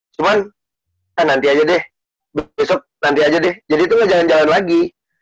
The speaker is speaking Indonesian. cuman ya nanti aja deh besok nanti aja deh jadi itu nggak jalan jalan lagi